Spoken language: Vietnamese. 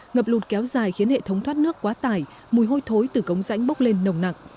ngập lụt kéo dài khiến hệ thống thoát nước quá tải mùi hôi thối từ cống rãnh bốc lên nồng nặng